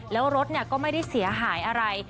แล้วรถก็ไม่ได้เสียหายอะไร